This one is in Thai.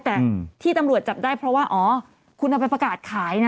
แต่ที่ตำรวจจับได้เพราะว่าอ๋อคุณเอาไปประกาศขายนะ